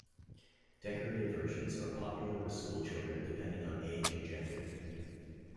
Decorated versions are popular with schoolchildren depending on age and gender.